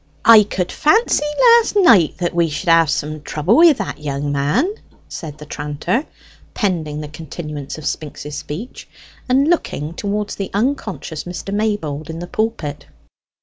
"I could fancy last night that we should have some trouble wi' that young man," said the tranter, pending the continuance of Spinks's speech, and looking towards the unconscious Mr. Maybold in the pulpit.